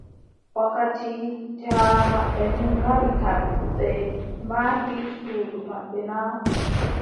Wakkati jaamaʼen ngari kam, ɓe mahi suudu maɓɓe na ?